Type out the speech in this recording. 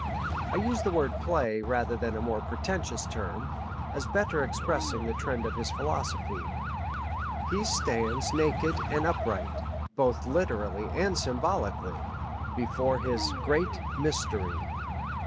I use the word "play" rather than a more pretentious term, as better expressing the trend of his philosophy. He stands naked and upright, both literally and symbolically, before his "Great Mystery."